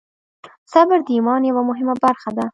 صبر د ایمان یوه مهمه برخه ده.